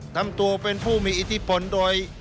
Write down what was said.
ทำตัวเป็นผู้มีอิทธิพลโดย